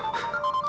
aku sudah selesai